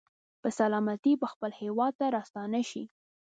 په سلامتۍ به خپل هېواد ته راستانه شي.